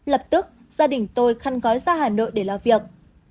lập tức gia đình tôi khăn gói ra hà nội để làm việc